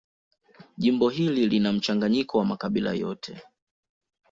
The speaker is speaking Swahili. Jimbo hili lina mchanganyiko wa makabila yote.